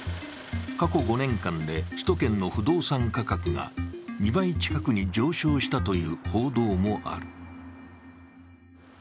過去５年間で首都圏の不動産価格が２倍近くに上昇したという報道もある。